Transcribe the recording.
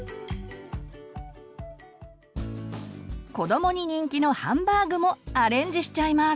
子どもに人気のハンバーグもアレンジしちゃいます。